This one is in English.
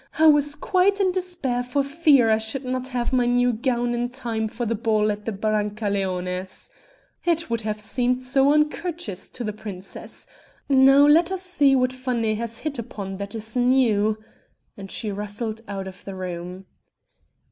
I was quite in despair for fear I should not have my new gown in time for the ball at the Brancaleone's. It would have seemed so uncourteous to the princess.... Now let us see what Fanet has hit upon that is new...." And she rustled out of the room.